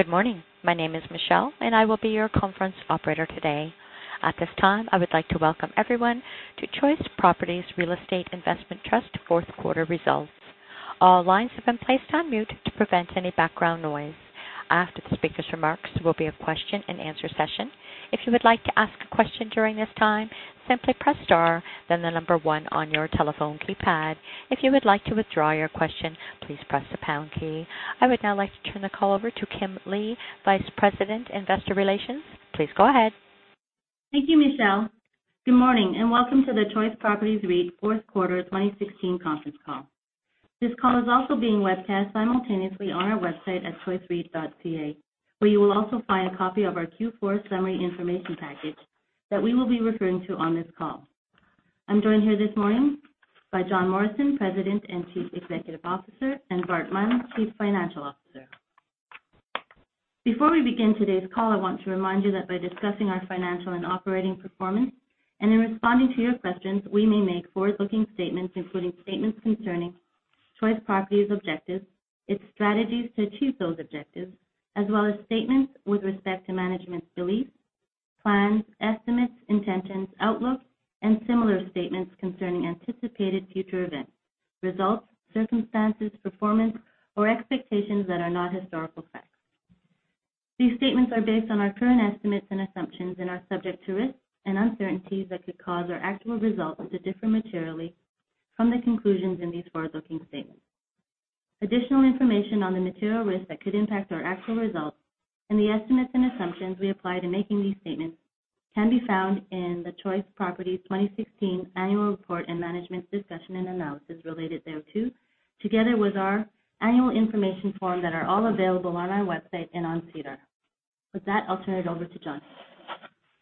Good morning. My name is Michelle, and I will be your conference operator today. At this time, I would like to welcome everyone to Choice Properties Real Estate Investment Trust fourth quarter results. All lines have been placed on mute to prevent any background noise. After the speaker's remarks, there will be a question and answer session. If you would like to ask a question during this time, simply press star, then 1 on your telephone keypad. If you would like to withdraw your question, please press the pound key. I would now like to turn the call over to Kim Lee, Vice President, Investor Relations. Please go ahead. Thank you, Michelle. Good morning and welcome to the Choice Properties REIT fourth quarter 2016 conference call. This call is also being webcast simultaneously on our website at choicereit.ca, where you will also find a copy of our Q4 summary information package that we will be referring to on this call. I'm joined here this morning by John Morrison, President and Chief Executive Officer, and Bart Munn, Chief Financial Officer. Before we begin today's call, I want to remind you that by discussing our financial and operating performance, and in responding to your questions, we may make forward-looking statements, including statements concerning Choice Properties' objectives, its strategies to achieve those objectives, as well as statements with respect to management's beliefs, plans, estimates, intentions, outlooks, and similar statements concerning anticipated future events, results, circumstances, performance, or expectations that are not historical facts. These statements are based on our current estimates and assumptions and are subject to risks and uncertainties that could cause our actual results to differ materially from the conclusions in these forward-looking statements. Additional information on the material risks that could impact our actual results and the estimates and assumptions we apply to making these statements can be found in the Choice Properties 2016 Annual Report and management's discussion and analysis related thereto, together with our annual information form that are all available on our website and on SEDAR. With that, I'll turn it over to John.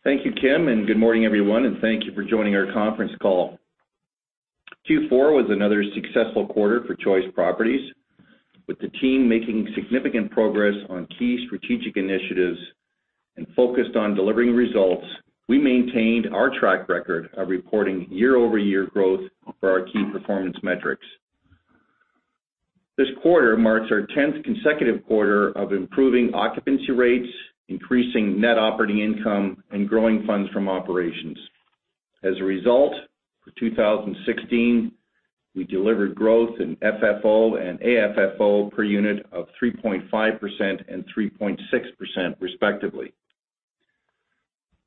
Thank you, Kim, and good morning, everyone, and thank you for joining our conference call. Q4 was another successful quarter for Choice Properties. With the team making significant progress on key strategic initiatives and focused on delivering results, we maintained our track record of reporting year-over-year growth for our key performance metrics. This quarter marks our tenth consecutive quarter of improving occupancy rates, increasing net operating income, and growing funds from operations. As a result, for 2016, we delivered growth in FFO and AFFO per unit of 3.5% and 3.6%, respectively.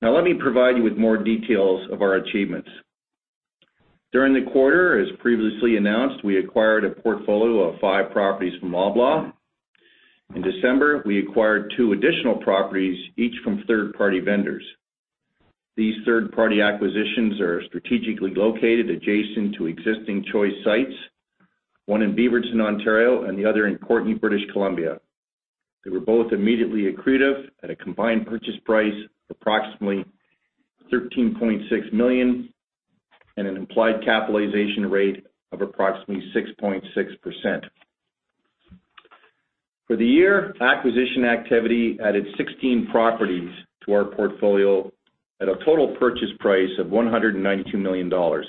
Now, let me provide you with more details of our achievements. During the quarter, as previously announced, we acquired a portfolio of five properties from Loblaw. In December, we acquired two additional properties, each from third-party vendors. These third-party acquisitions are strategically located adjacent to existing Choice sites, one in Beaverton, Ontario, and the other in Courtenay, British Columbia. They were both immediately accretive at a combined purchase price of approximately 13.6 million and an implied capitalization rate of approximately 6.6%. For the year, acquisition activity added 16 properties to our portfolio at a total purchase price of 192 million dollars.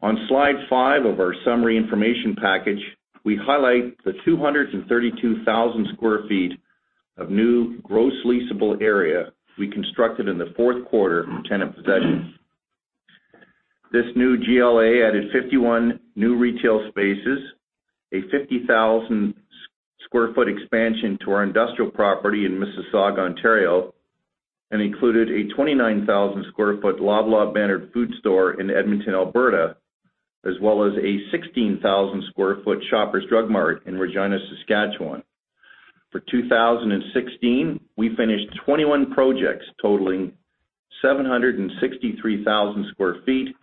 On slide five of our summary information package, we highlight the 232,000 square feet of new gross leasable area we constructed in the fourth quarter from tenant possessions. This new GLA added 51 new retail spaces, a 50,000 square foot expansion to our industrial property in Mississauga, Ontario, and included a 29,000 square foot Loblaw-bannered food store in Edmonton, Alberta, as well as a 16,000 square foot Shoppers Drug Mart in Regina, Saskatchewan. For 2016, we finished 21 projects totaling 763,000 square feet,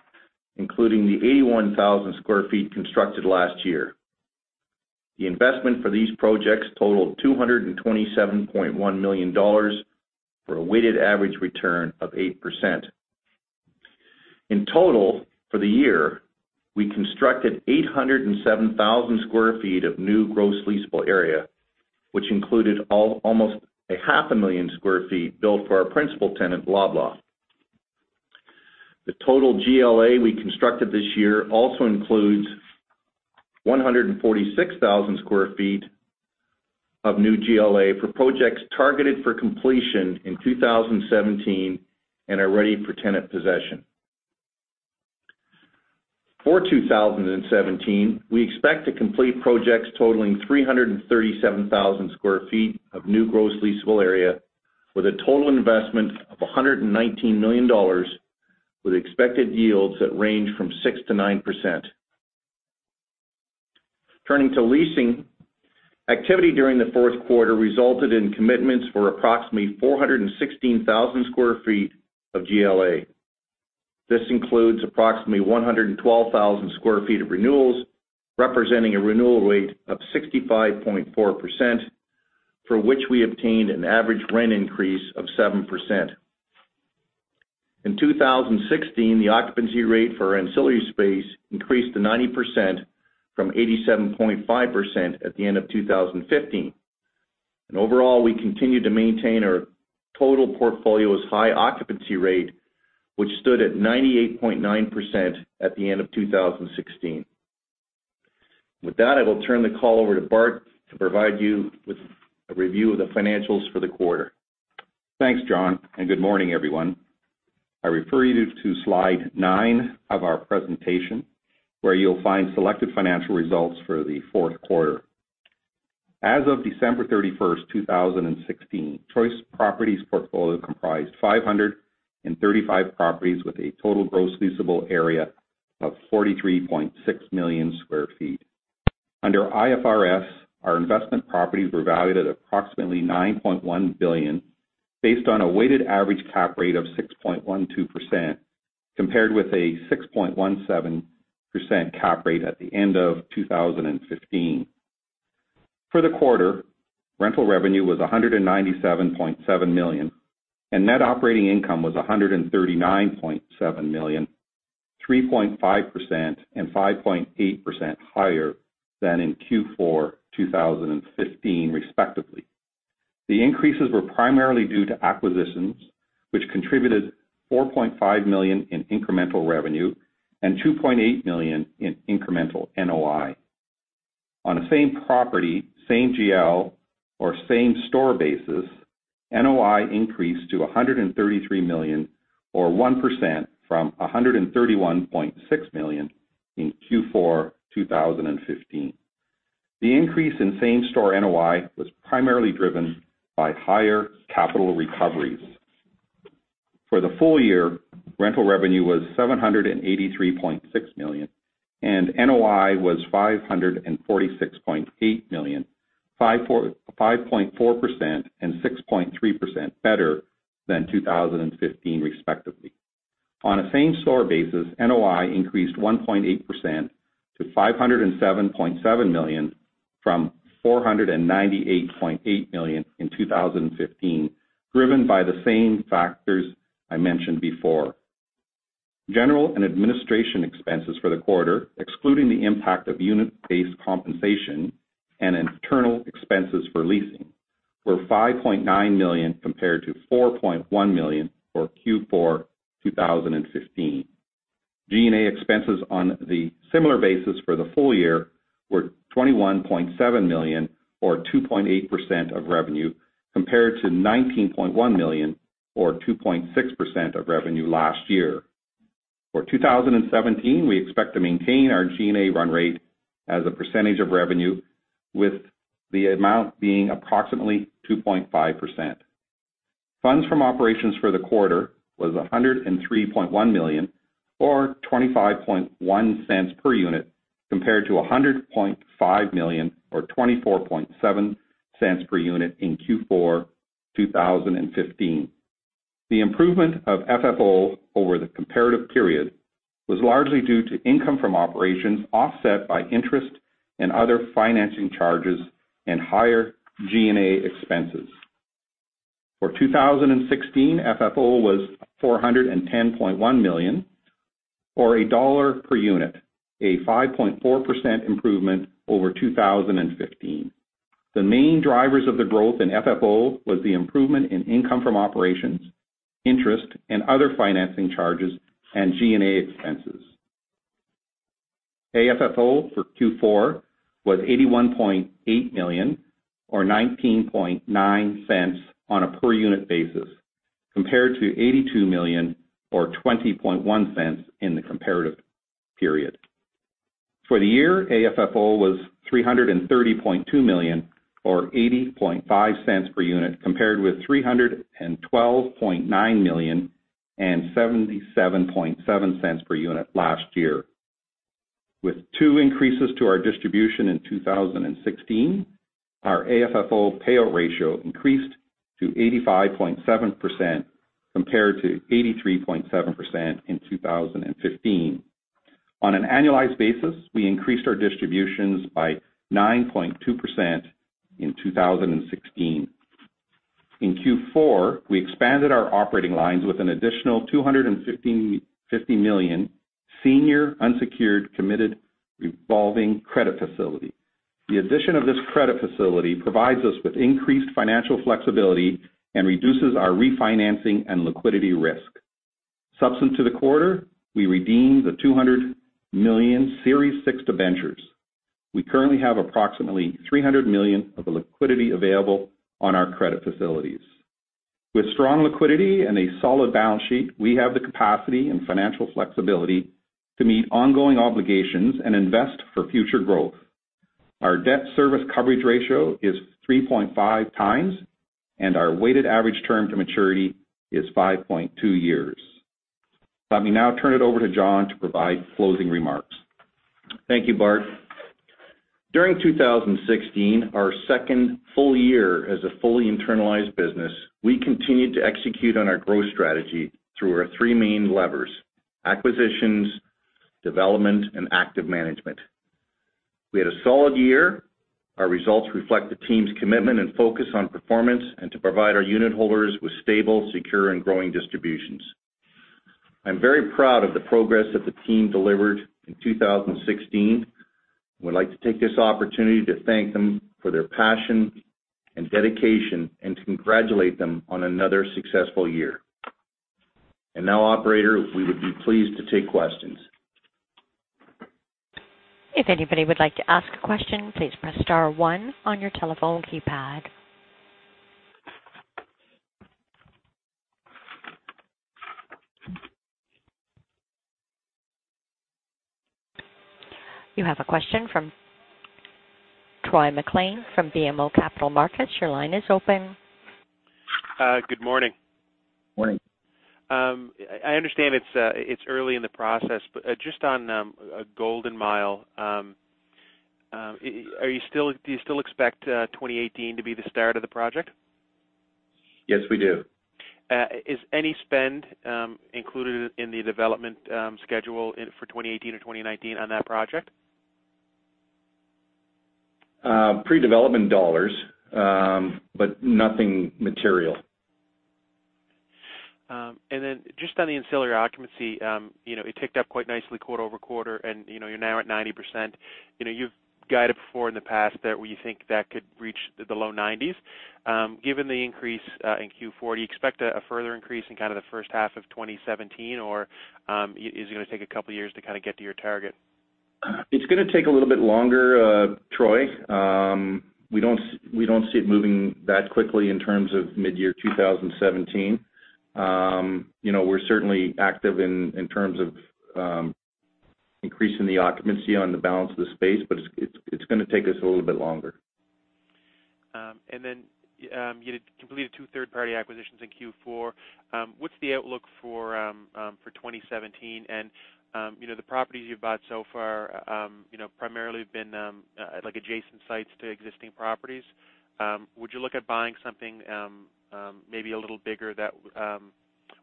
including the 81,000 square feet constructed last year. The investment for these projects totaled 227.1 million dollars for a weighted average return of 8%. In total, for the year, we constructed 807,000 square feet of new gross leasable area, which included almost a half a million square feet built for our principal tenant, Loblaw. The total GLA we constructed this year also includes 146,000 square feet of new GLA for projects targeted for completion in 2017 and are ready for tenant possession. For 2017, we expect to complete projects totaling 337,000 square feet of new gross leasable area with a total investment of 119 million dollars with expected yields that range from 6% to 9%. Turning to leasing, activity during the fourth quarter resulted in commitments for approximately 416,000 square feet of GLA. This includes approximately 112,000 square feet of renewals, representing a renewal rate of 65.4%, for which we obtained an average rent increase of 7%. In 2016, the occupancy rate for ancillary space increased to 90% from 87.5% at the end of 2015. Overall, we continued to maintain our total portfolio's high occupancy rate, which stood at 98.9% at the end of 2016. With that, I will turn the call over to Bart to provide you with a review of the financials for the quarter. Thanks, John, and good morning, everyone. I refer you to slide nine of our presentation, where you'll find selected financial results for the fourth quarter. As of December 31st, 2016, Choice Properties' portfolio comprised 535 properties with a total gross leasable area of 43.6 million square feet. Under IFRS, our investment properties were valued at approximately 9.1 billion, based on a weighted average cap rate of 6.12%, compared with a 6.17% cap rate at the end of 2015. For the quarter, rental revenue was 197.7 million, and net operating income was 139.7 million, 3.5% and 5.8% higher than in Q4 2015, respectively. The increases were primarily due to acquisitions, which contributed 4.5 million in incremental revenue and 2.8 million in incremental NOI. On a same property, same GLA, or same store basis, NOI increased to 133 million, or 1%, from 131.6 million in Q4 2015. The increase in same store NOI was primarily driven by higher capital recoveries. For the full year, rental revenue was 783.6 million, and NOI was 546.8 million, 5.4% and 6.3% better than 2015, respectively. On a same store basis, NOI increased 1.8% to 507.7 million from 498.8 million in 2015, driven by the same factors I mentioned before. General and Administration Expenses for the quarter, excluding the impact of unit-based compensation and internal expenses for leasing, were 5.9 million compared to 4.1 million for Q4 2015. G&A expenses on the similar basis for the full year were 21.7 million, or 2.8% of revenue, compared to 19.1 million, or 2.6% of revenue last year. For 2017, we expect to maintain our G&A run rate as a percentage of revenue, with the amount being approximately 2.5%. Funds from Operations for the quarter was 103.1 million, or 0.251 per unit, compared to 100.5 million, or 0.247 per unit in Q4 2015. The improvement of FFO over the comparative period was largely due to income from operations offset by interest and other financing charges and higher G&A expenses. For 2016, FFO was 410.1 million, or CAD 1.00 per unit, a 5.4% improvement over 2015. The main drivers of the growth in FFO was the improvement in income from operations, interest, and other financing charges, and G&A expenses. AFFO for Q4 was 81.8 million, or 0.199 on a per unit basis, compared to 82 million, or 0.201 in the comparative period. For the year, AFFO was 330.2 million, or 0.805 per unit, compared with 312.9 million and 0.777 per unit last year. With two increases to our distribution in 2016, our AFFO payout ratio increased to 85.7%, compared to 83.7% in 2015. On an annualized basis, we increased our distributions by 9.2% in 2016. In Q4, we expanded our operating lines with an additional 250 million senior unsecured committed revolving credit facility. The addition of this credit facility provides us with increased financial flexibility and reduces our refinancing and liquidity risk. Subsequent to the quarter, we redeemed the 200 million Series 6 debentures. We currently have approximately 300 million of the liquidity available on our credit facilities. With strong liquidity and a solid balance sheet, we have the capacity and financial flexibility to meet ongoing obligations and invest for future growth. Our debt service coverage ratio is 3.5 times, and our weighted average term to maturity is 5.2 years. Let me now turn it over to John to provide closing remarks. Thank you, Bart. During 2016, our second full year as a fully internalized business, we continued to execute on our growth strategy through our three main levers, acquisitions, development, and active management. We had a solid year. Our results reflect the team's commitment and focus on performance and to provide our unitholders with stable, secure, and growing distributions. I'm very proud of the progress that the team delivered in 2016. We'd like to take this opportunity to thank them for their passion and dedication, and congratulate them on another successful year. Now, operator, we would be pleased to take questions. If anybody would like to ask a question, please press star one on your telephone keypad. You have a question from Troy MacLean from BMO Capital Markets. Your line is open. Good morning. Morning. I understand it's early in the process, just on Golden Mile, do you still expect 2018 to be the start of the project? Yes, we do. Is any spend included in the development schedule for 2018 or 2019 on that project? Pre-development dollars, but nothing material. Just on the ancillary occupancy, it ticked up quite nicely quarter-over-quarter, and you're now at 90%. You've guided before in the past that you think that could reach the low nineties. Given the increase in Q4, do you expect a further increase in kind of the first half of 2017, or is it going to take a couple of years to kind of get to your target? It's going to take a little bit longer, Troy. We don't see it moving that quickly in terms of mid-year 2017. We're certainly active in terms of increasing the occupancy on the balance of the space, but it's going to take us a little bit longer. You completed two third-party acquisitions in Q4. What's the outlook for 2017? The properties you've bought so far primarily have been adjacent sites to existing properties. Would you look at buying something maybe a little bigger that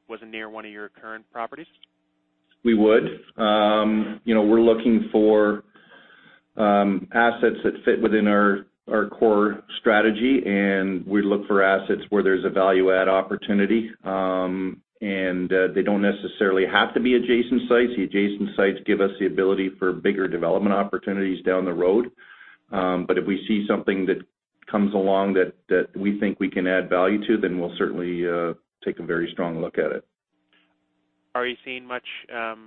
wasn't near one of your current properties? We would. We're looking for assets that fit within our core strategy, and we look for assets where there's a value-add opportunity. They don't necessarily have to be adjacent sites. The adjacent sites give us the ability for bigger development opportunities down the road. If we see something that comes along that we think we can add value to, we'll certainly take a very strong look at it. Are you seeing many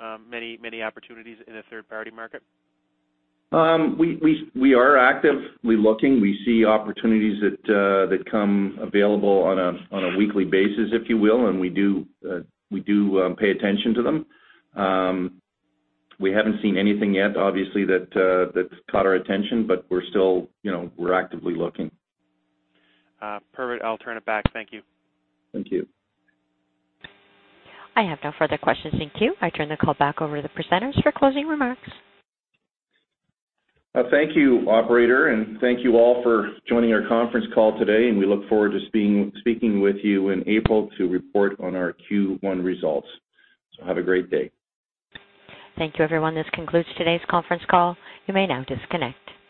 opportunities in the third-party market? We are actively looking. We see opportunities that come available on a weekly basis, if you will, and we do pay attention to them. We haven't seen anything yet, obviously, that's caught our attention, but we're actively looking. Perfect. I'll turn it back. Thank you. Thank you. I have no further questions. Thank you. I turn the call back over to the presenters for closing remarks. Thank you, operator. Thank you all for joining our conference call today. We look forward to speaking with you in April to report on our Q1 results. Have a great day. Thank you, everyone. This concludes today's conference call. You may now disconnect.